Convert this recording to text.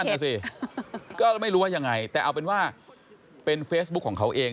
นั่นน่ะสิก็ไม่รู้ว่ายังไงแต่เอาเป็นว่าเป็นเฟซบุ๊คของเขาเอง